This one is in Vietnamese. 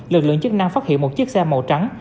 lực lượng chức năng phát hiện một chiếc xe màu trắng